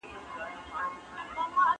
هغه کمپیوټر په دواړو لاسونو په ملا را مات کړ.